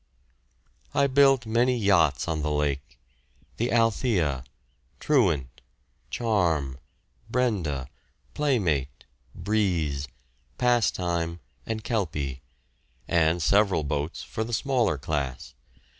I built many yachts on the lake the "Althea," "Truant," "Charm," "Brenda," "Playmate," "Breeze," "Pastime," and "Kelpie" and several boats for the smaller class.